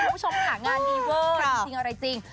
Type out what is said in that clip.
คุณผู้ชมค่ะงานดีเวอร์จริงอะไรจริง